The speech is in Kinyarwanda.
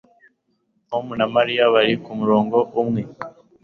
Tom na Mariya bari kumurongo umwe